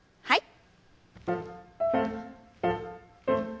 はい。